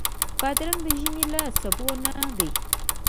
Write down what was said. بادرنګ د ژمي له سبو نه دی.